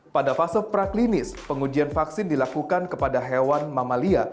pada fase praklinis pengujian vaksin dilakukan kepada hewan mamalia